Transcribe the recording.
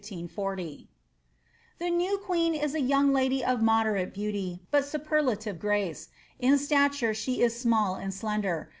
*^ The new queen is a young lady of moderate beauty but superlative grace, in stature she is small and slender.